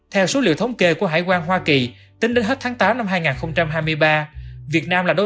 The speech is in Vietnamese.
theo số liệu thống kê của hải quan hoa kỳ tính đến hết tháng tám năm hai nghìn hai mươi ba